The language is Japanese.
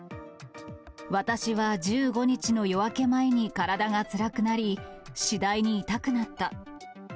私は１５日の夜明け前に体がつらくなり、次第に痛くなった。